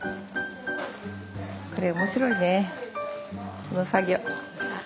これ面白いねこの作業。